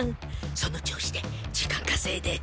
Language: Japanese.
その調子で時間かせいで。